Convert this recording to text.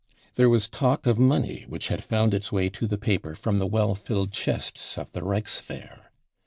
There was talk of money which had found its way to the paper from the well filled chests of the Reichswehr.